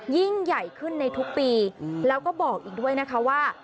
ยิ่งใหญ่ขึ้นในทุกปีแล้วก็บอกอีกด้วยนะคะว่า